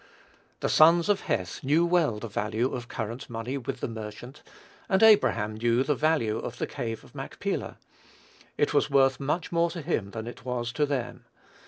The sons of Heth knew well the value of "current money with the merchant," and Abraham knew the value of the cave of Machpelah. It was worth much more to him than it was to them.